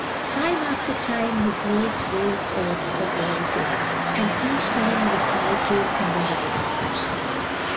Time after time his mate wailed forth her call to him, and each time a reply came from the rival moose.